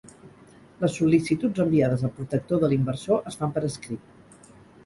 Les sol·licituds enviades al Protector de l'Inversor es fan per escrit.